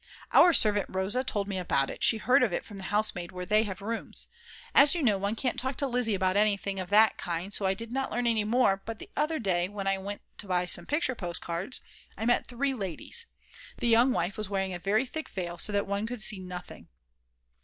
Our servant Rosa told me about it, she heard of it from the housemaid where they have rooms. As you know, one can't talk to Lizzi about anything of that kind, and so I did not learn any more; but the other day, when I went to buy some picture postcards, I met the three ladies. The young wife was wearing a very thick veil, so that one could see nothing.